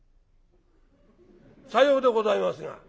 「さようでございますが」。